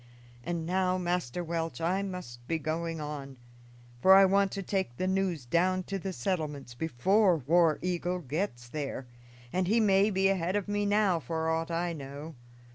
And now, Master Welch, I must be going on, for I want to take the news down to the settlements before War Eagle gets there, and he may be ahead of me now, for aught I know.